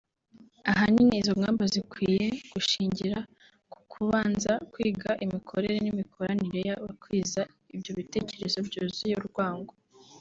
Ahanini izo ngamba zikwiye gushingira ku kubanza kwiga imikorere n’imikoranire y’abakwiza ibyo bitekerezo byuzuye urwango